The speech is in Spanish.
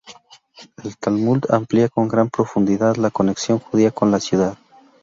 El Talmud amplía con gran profundidad la conexión judía con la ciudad.